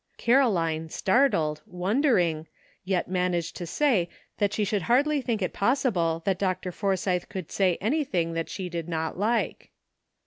Caroline, startled, wondering, yet managed to say that she should hardly think it possible 348 ANOTUEB ^SIDE TRACK,'' that Dr. Forsythe could say anything that she did not like.